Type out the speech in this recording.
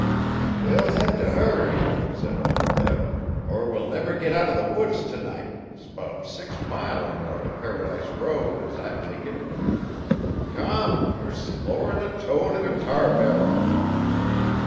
'We'll hev t' hurry,' said Uncle Eb, 'er we'll never git out o' the woods t'night 'S 'bout six mile er more t' Paradise Road, es I mek it. Come, yer slower 'n a toad in a tar barrel.'